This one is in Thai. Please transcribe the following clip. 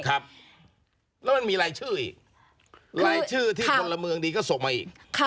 แล้วมันมีรายชื่ออีกรายชื่อที่พลเมืองดีก็ส่งมาอีก